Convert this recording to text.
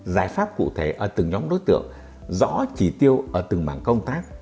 giải pháp cụ thể ở từng nhóm đối tượng rõ chỉ tiêu ở từng mảng công tác